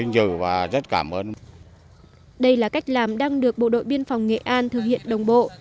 đây là cách làm đang được bộ đội bến phong nghệ an thực hiện đồng bộ